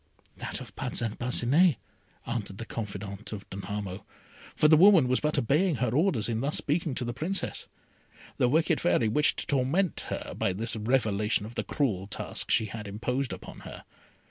"That of Parcin Parcinet," answered the confidante of Danamo, for the woman was but obeying her orders in thus speaking to the Princess. The wicked Fairy wished to torment her by this revelation of the cruel task she had imposed upon her.